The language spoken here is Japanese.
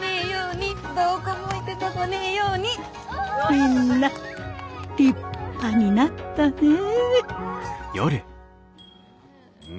みんな立派になったねえ。